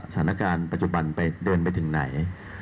สถานการณ์ปัจจุบันไปเดินไปถึงไหน